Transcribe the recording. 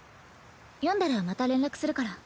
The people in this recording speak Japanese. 読んだらまた連絡するから。